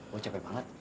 gue capek banget